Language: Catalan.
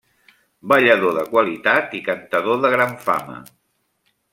Ballador de qualitat i cantador de gran fama.